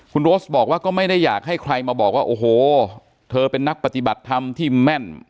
คุณโรสบอกว่าก็ไม่ได้อยากให้ใครมาบอกว่าโอ้โหเธอเป็นนักปฏิบัติธรรมที่แม่น